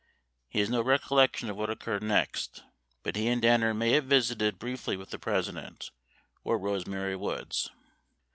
1 He has no recollection of what occurred next, but he and Danner may have visited briefly with the President 2 or Rose Mary Woods.